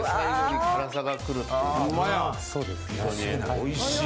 おいしい！